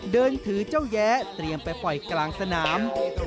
เดินถือเจ้าแย้เตรียมไปปล่อยกลางสนาม